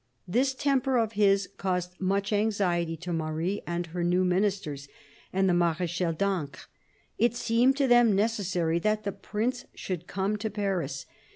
This temper of his caused much anxiety to Marie, her new Ministers, and the Mar6chal d'Ancre. It seemed to them necessary that the Prince should come to Paris.